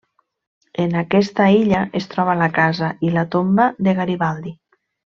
En aquesta illa es troba la casa i la tomba de Garibaldi.